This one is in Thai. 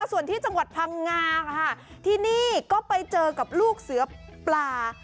ส่วนที่จังหวัดพังงาค่ะที่นี่ก็ไปเจอกับลูกเสือปลา